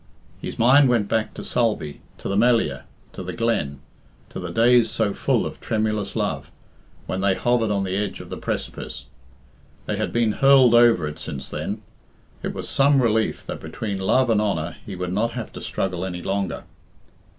His mind went back to Sulby, to the Melliah, to the glen, to the days so full of tremulous love, when they hovered on the edge of the precipice. They had been hurled over it since then. It was some relief that between love and honour he would not have to struggle any longer.